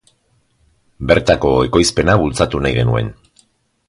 Bertako ekoizpena bultzatu nahi genuen.